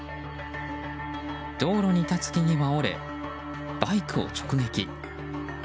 道路に立つ木々は折れバイクを直撃。